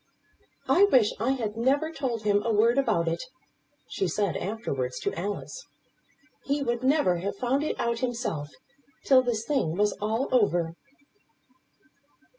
"I wish I had never told him a word about it," she said afterwards to Alice. "He would never have found it out himself, till this thing was all over."